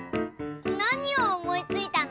なにをおもいついたの？